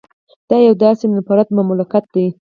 دا یو داسې منفرده مملکت دی